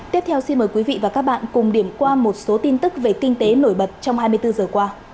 tiếp theo xin mời quý vị và các bạn cùng điểm qua một số tin tức về kinh tế nổi bật trong hai mươi bốn giờ qua